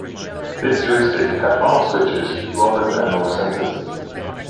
This joystick had on-off switches rather than analogue sensors.